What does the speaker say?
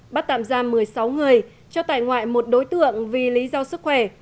bắt tạm ra một mươi sáu người cho tại ngoại một đối tượng vì lý do sức khỏe